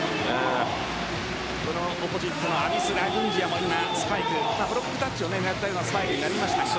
オポジットのアディス・ラグンジヤもブロックタッチを狙ったスパイクになりました。